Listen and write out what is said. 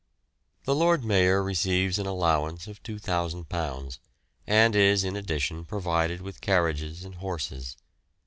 The Lord Mayor receives an allowance of £2,000, and is in addition provided with carriages and horses.